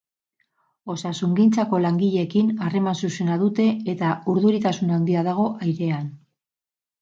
Osasungintzako langileekin harreman zuzena dute eta urduritasun handia dago airean.